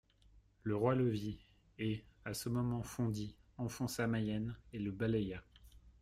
Le roi le vit, et, à ce moment, fondit, enfonça Mayenne et le balaya.